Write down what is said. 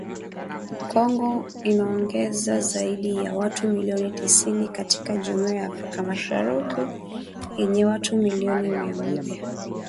Kongo inaongeza zaidi ya watu milioni tisini katika Jumuia ya Afrika Mashariki yenye watu milioni mia moja sabini na saba